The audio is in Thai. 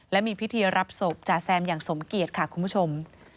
และมีพิธีรับศพจาแซมอย่างสมเกียจค่ะคุณผู้ชม